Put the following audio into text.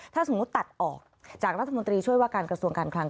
ถ้าสมมุติตัดออกจากรัฐมนตรีช่วยว่าการกระทรวงการคลัง